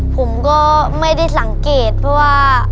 ผมก็ไม่ได้สังเกตเพราะว่า